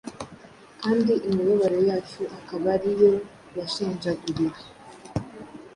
kandi imibabaro yacu akaba ari yo yashenjaguriwe